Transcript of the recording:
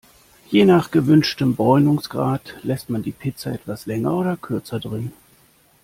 Je nach gewünschtem Bräunungsgrad lässt man die Pizza etwas länger oder kürzer drin.